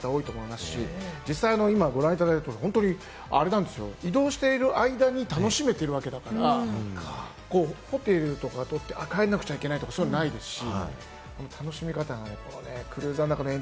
待ちに待ってた方、多いと思いますし、実際ご覧いただいたように、あれなんですよ、移動している間に楽しめてるわけだから、ホテルとか取って帰らなくちゃいけないとか、そういうのはないですし。